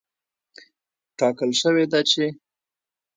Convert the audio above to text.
ټاکل شوې ده چې